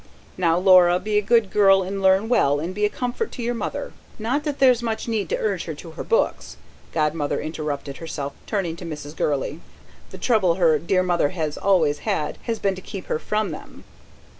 "Now, Laura. Be a good girl and learn well, and be a comfort to your mother. Not that there's much need to urge her to her books," Godmother interrupted herself, turning to Mrs. Gurley. "The trouble her dear mother has always had has been to keep her from them."